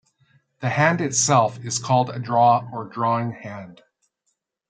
The hand itself is called a draw or drawing hand.